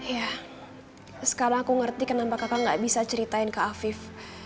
ya sekarang aku mengerti kenapa kakak tidak bisa menceritakan ke afif